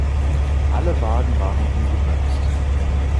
Alle Wagen waren ungebremst.